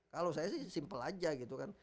kalau saya sih simpel aja gitu kan